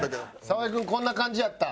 澤井君こんな感じやった？